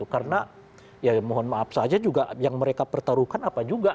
karena mohon maaf saja juga yang mereka pertaruhkan apa juga